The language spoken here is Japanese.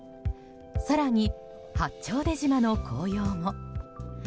更に八丁出島の紅葉も。